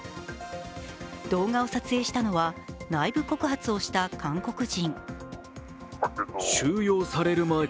動画を撮影したのは内部告発をした韓国人。